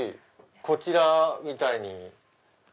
こちらみたいに。